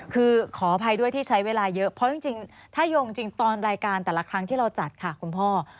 คือขออภัยด้วยที่ใช้เวลาเยอะเพราะจริงถ้าโยงจริงตอนรายการแต่ละครั้งที่เราจัดค่ะคุณพ่อ